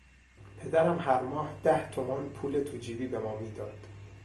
پدرم هر ماه ده تومان پول توجیبی به ما میداد.